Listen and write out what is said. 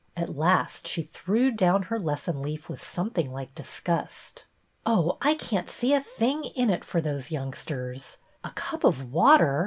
At last she threw down her lesson leaf with something like disgust. " Oh, I can't see a thing in it for those youngsters. A cup of water